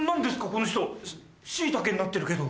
この人しいたけになってるけど。